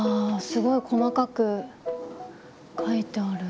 すごい細かく描いてある。